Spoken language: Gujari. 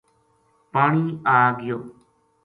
پانی آ گیو